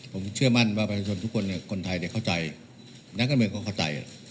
ผมเชื่อมั่นว่าประชาชนทุกคนคนไทยเข้าใจนักการเมืองก็เข้าใจ